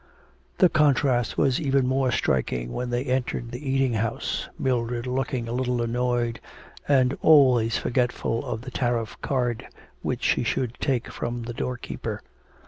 The contrast was even more striking when they entered the eating house, Mildred looking a little annoyed, and always forgetful of the tariff card which she should take from the door keeper.